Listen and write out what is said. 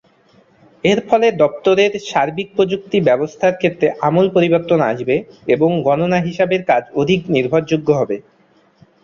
এর ফলে দপ্তরের সার্বিক প্রযুক্তি ব্যবস্থার ক্ষেত্রে আমূল পরিবর্তন আসবে এবং গণনা-হিসাবের কাজ অধিক নির্ভরযোগ্য হবে।